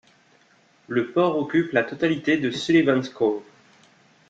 Le port occupe la totalité de Sullivan’s Cove.